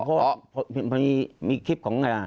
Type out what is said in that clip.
เพราะมีคลิปของ